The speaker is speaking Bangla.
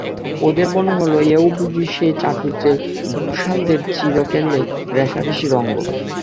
ওদের মনে হল এও বুঝি সেই চাটুজ্যে-ঘোষালদের চিরকেলে রেষারেষির অঙ্গ।